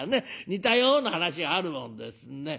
似たような話があるもんですね。